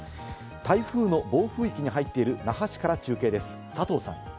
台風の暴風域に入っている那覇市から中継です、佐藤さん。